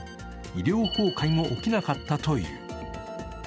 医療崩壊も起きなかったという。